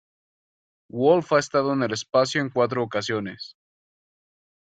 Wolf ha estado en el espacio en cuatro ocasiones.